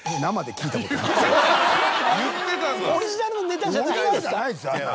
えっオリジナルのネタじゃないんですか？